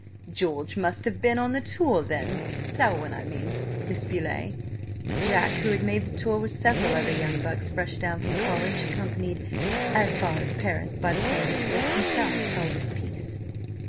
George must have been on the tour then–Selwyn, I mean, Miss Beauleigh." Jack, who had made the tour with several other young bucks fresh down from college, accompanied as far as Paris by the famous wit himself, held his peace.